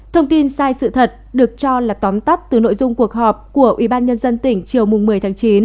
thông tin sai sự thật được cho là tóm tắt từ nội dung cuộc họp của ủy ban nhân dân tỉnh chiều một mươi tháng chín